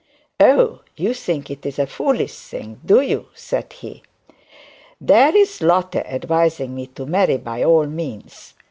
'Oh, you think it's a foolish thing, do you?' said he. 'There's Lotte advising me to marry by all means.